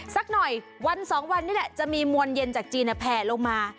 สักหน่อยวันสองวันนี้แหละจะมีมวลเย็นจากจีนแผลลงมา